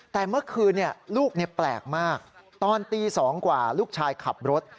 แต่เมื่อคืนลูกแปลกมากตอนตี๒กว่าลูกชายขับรถ